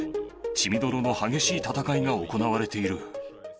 血みどろの激しい戦いが行われている。